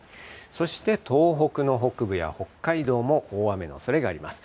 そして東北の北部や北海道も大雨のおそれがあります。